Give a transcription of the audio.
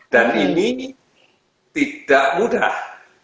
dan ini tidak mudah